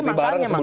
ya mungkin makanya